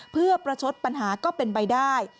เพื่อประชดปัญหาก็เป็นไปได้